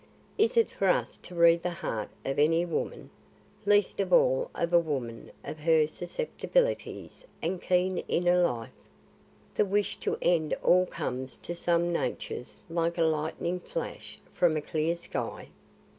"Is it for us to read the heart of any woman, least of all of a woman of her susceptibilities and keen inner life? The wish to end all comes to some natures like a lightning flash from a clear sky.